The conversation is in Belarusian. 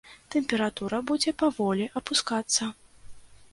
Тэмпература будзе паволі апускацца.